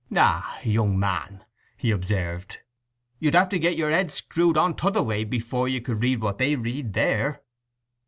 "Ah, young man," he observed, "you'd have to get your head screwed on t'other way before you could read what they read there."